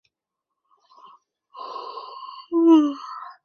三巴旺的名称是来至。